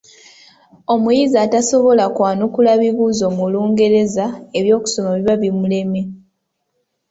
Omuyizi atasobola kwanukula bibuuzo mu Lungereza eby'okusoma biba bimulemye.